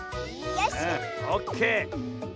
オッケー。